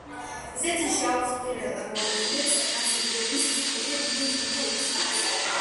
ზეცაში აუხსნელ მოვლენებს კაცობრიობის ისტორია დიდი ხანია იცნობს.